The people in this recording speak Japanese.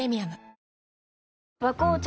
新「和紅茶」